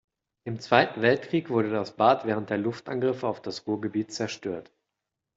Im Zweiten Weltkrieg wurde das Bad während der Luftangriffe auf das Ruhrgebiet zerstört.